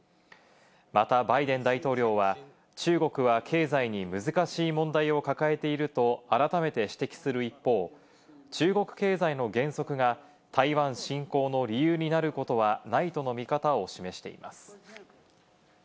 またバイデン大統領は、中国は経済に難しい問題を抱えていると改めて指摘する一方、中国経済の減速が台湾侵攻の理由になることはないとの見方を示しています。